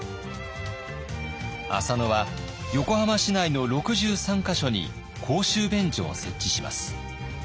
浅野は横浜市内の６３か所に公衆便所を設置します。